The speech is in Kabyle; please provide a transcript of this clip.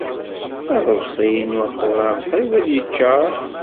Aḍebsi-inu aquran qrib ad yeččaṛ.